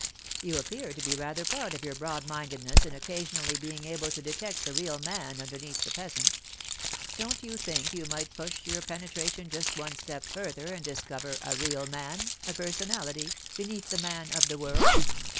You appear to be rather proud of your broad mindedness in occasionally being able to detect the real man underneath the peasant—don't you think you might push your penetration just one step further and discover a real man, a personality, beneath the man of the world?